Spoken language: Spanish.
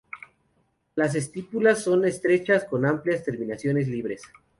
Las estípulas son estrechas con amplias terminaciones libres.